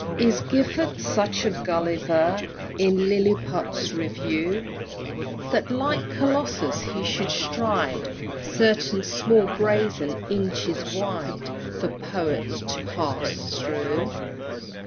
Is Gifford such a Gulliver In Lilliput's Review, That like Colossus he should stride Certain small brazen inches wide For poets to pass through?